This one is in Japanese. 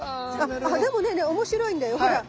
でもねおもしろいんだよほら。